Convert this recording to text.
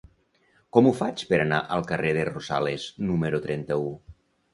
Com ho faig per anar al carrer de Rosales número trenta-u?